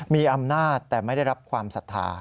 มีอำนาจแต่ไม่ได้รับความศรัทธา